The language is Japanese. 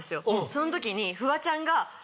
その時にフワちゃんが。